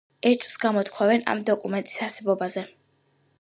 ეჭვს გამოთქვამენ ამ დოკუმენტის არსებობაზე.